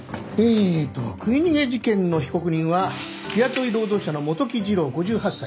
えーっと食い逃げ事件の被告人は日雇い労働者の元木次郎５８歳。